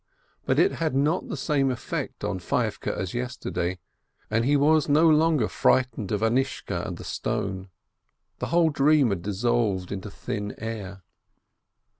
But it had not the same effect on Feivke as yesterday, and he was no longer frightened of Anishka and the stone — the whole dream had dissolved into thin air.